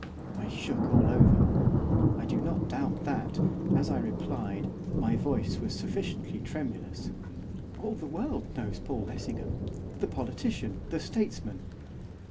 I shook all over. I do not doubt that, as I replied, my voice was sufficiently tremulous. 'All the world knows Paul Lessingham, the politician, the statesman.